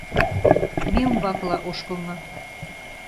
Ме умбакыла ошкылна.